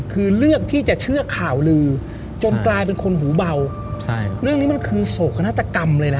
คือเลือกที่จะเชื่อข่าวลือจนกลายเป็นคนหูเบาใช่เรื่องนี้มันคือโศกนาฏกรรมเลยนะ